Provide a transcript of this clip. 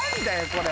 これ。